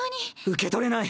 受け取れない。